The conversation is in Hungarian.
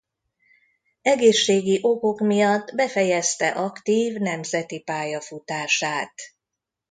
Egészségi okok miatt befejezte aktív nemzeti pályafutását.